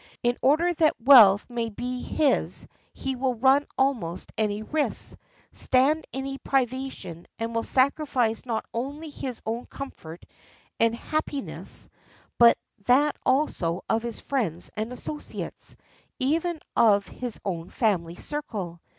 In order that wealth may be his he will run almost any risks, stand any privation, and will sacrifice not only his own comfort and happiness, but that also of his friends and associates, or even of his own family circle.